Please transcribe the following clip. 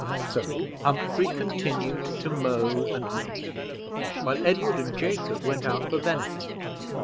So Humphrey continued to mow and make hay, while Edward and Jacob went out for venison.